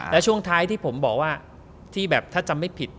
แล้วช่วงท้ายที่ผมบอกว่าที่แบบถ้าจำไม่ผิด